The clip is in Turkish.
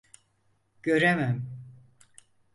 Göremem…